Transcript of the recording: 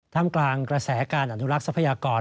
ท่ามกลางกระแสการอนุรักษภัยกร